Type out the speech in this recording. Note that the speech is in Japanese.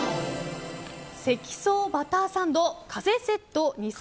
積奏バターサンド風セット